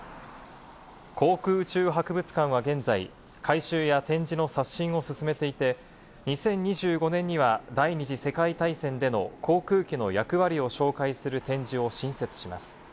航空宇宙博物館は現在、改修や展示の刷新を進めていて、２０２５年には第二次世界大戦での航空機の役割を紹介する展示を新設します。